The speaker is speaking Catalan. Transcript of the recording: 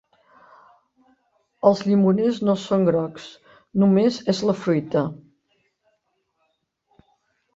Els llimoners no són grocs, només és la fruita.